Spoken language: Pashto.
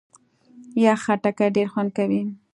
یخ خټکی ډېر خوند کوي.